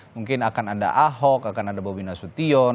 mungkin akan ada ahok akan ada bobi nasution